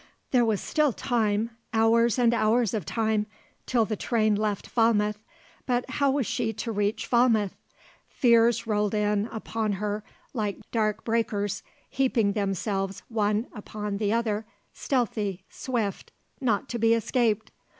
There was still time hours and hours of time till the train left Falmouth; but how was she to reach Falmouth? Fears rolled in upon her like dark breakers, heaping themselves one upon the other, stealthy, swift, not to be escaped.